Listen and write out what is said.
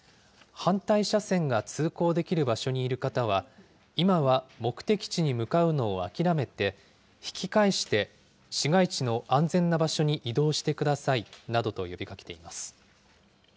反対車線が通行できる場所にいる方は、今は目的地に向かうのを諦めて、引き返して市街地の安全な場所に移動してくださいなどと呼びかけ